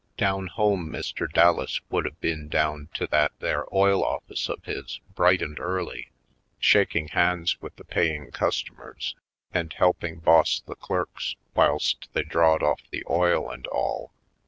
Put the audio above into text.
Down home Mr. Dallas would a been down to that there oil office of his bright and early shaking hands with the paying customers and helping boss the clerks whilst they drawed ofif the oil, and all.